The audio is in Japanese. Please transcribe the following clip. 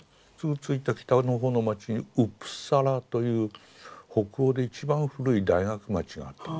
着いた北のほうの町にウプサラという北欧で一番古い大学町があったんです。